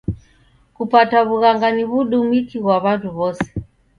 Kupata w'ughanga ni w'udumiki ghwa w'andu w'ose.